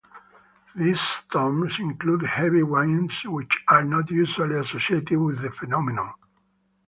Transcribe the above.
These storms included heavy winds which are not usually associated with the phenomenon.